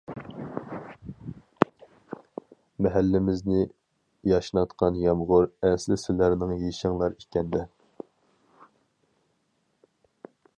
مەھەللىمىزنى ياشناتقان يامغۇر ئەسلى سىلەرنىڭ يېشىڭلار ئىكەندە.